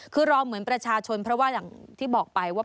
คือรอเหมือนประชาชนเพราะว่าอย่างที่บอกไปว่า